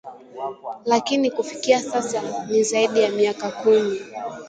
lakini kufikia sasa ni Zaidi ya miaka kumi